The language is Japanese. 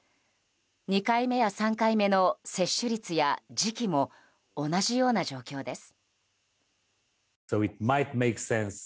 ２回目や３回目の接種率や時期も同じような状況です。